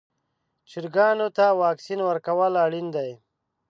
چرګانو ته واکسین ورکول اړین دي.